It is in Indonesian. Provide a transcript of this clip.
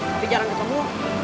tapi jarang ketemu